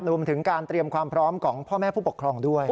รวมถึงการเตรียมความพร้อมของพ่อแม่ผู้ปกครองด้วย